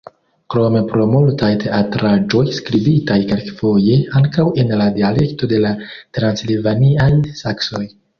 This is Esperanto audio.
Krome pro multaj teatraĵoj, skribitaj kelkfoje ankaŭ en la dialekto de la transilvaniaj saksoj.